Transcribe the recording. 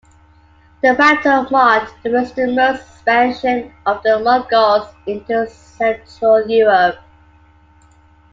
The battle marked the westernmost expansion of the Mongols into central Europe.